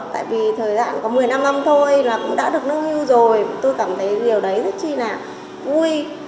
tại vì thời gian có một mươi năm năm thôi cũng đã được hưởng lương hưu rồi tôi cảm thấy điều đấy rất là vui